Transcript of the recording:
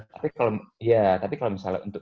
tapi kalau ya tapi kalau misalnya untuk